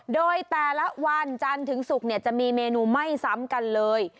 โดยแต่ละวันจันทร์ถึงศุกร์จะมีเมนูไม่ซ้ำกันเลย